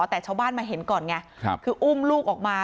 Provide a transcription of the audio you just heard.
แต่ชาวบ้านมาเห็นก่อนไงคืออุ้มลูกออกมา